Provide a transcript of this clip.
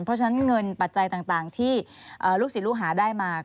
เพราะฉะนั้นเงินปัจจัยต่างที่ลูกศิษย์ลูกหาได้มา